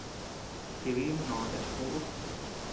Tïi biʼi mnoota chi kubi uu.